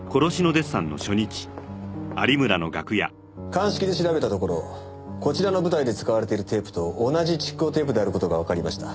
鑑識で調べたところこちらの舞台で使われているテープと同じ蓄光テープである事がわかりました。